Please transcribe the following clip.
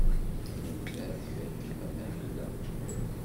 Melmi ara tfakem amahil-a?